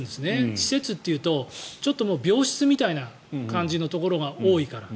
施設というとちょっと病室みたいな感じのところが多いから。